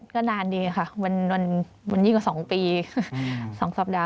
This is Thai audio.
ก็นานดีค่ะมันยิ่งกว่า๒ปี๒สัปดาห์